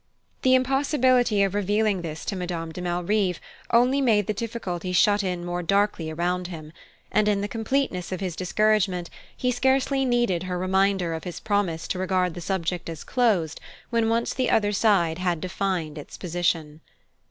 The impossibility of revealing this to Madame de Malrive only made the difficulty shut in more darkly around him, and in the completeness of his discouragement he scarcely needed her reminder of his promise to regard the subject as closed when once the other side had defined its position.